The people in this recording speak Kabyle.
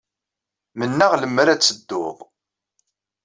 Mennaɣ lemmer ad teddud.